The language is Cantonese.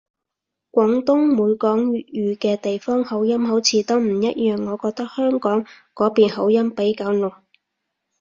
廣東每講粵語嘅地方口音好似都唔一樣，我覺得香港嗰邊口音比較濃